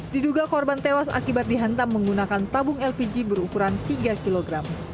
diduga korban tewas akibat dihantam menggunakan tabung lpg berukuran tiga kg